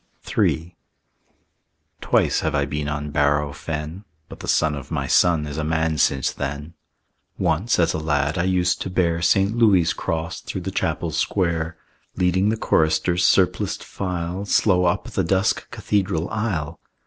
III Twice have I been on Bareau Fen, But the son of my son is a man since then. Once as a lad I used to bear St. Louis' cross through the chapel square, Leading the choristers' surpliced file Slow up the dusk Cathedral aisle.